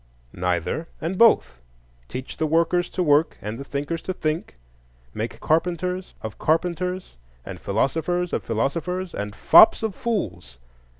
Neither and both: teach the workers to work and the thinkers to think; make carpenters of carpenters, and philosophers of philosophers, and fops of fools.